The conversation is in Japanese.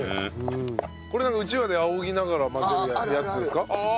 これうちわであおぎながら混ぜるやつですか？